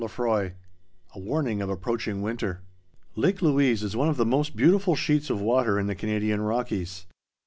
Lefroy—A Warning of Approaching Winter._ Lake Louise is one of the most beautiful sheets of water in the Canadian Rockies.